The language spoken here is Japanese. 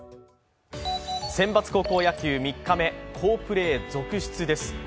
選抜高校野球３日目、好プレー続出です。